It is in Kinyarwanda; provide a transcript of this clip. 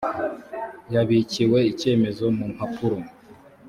yabikiwe icyemezo mu mpapuro